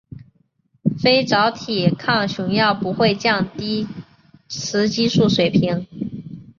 非甾体抗雄药不会降低雌激素水平。